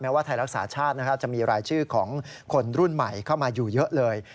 ว่าไทยรักษาชาติจะมีรายชื่อของคนรุ่นใหม่เข้ามาอยู่เยอะเลย